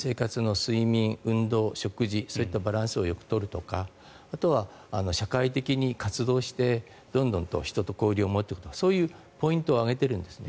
運動、睡眠食事、そういったバランスをよく取るとかあとは社会的に活動してどんどん人と交流を持っていくとかそういうポイントを挙げているんです。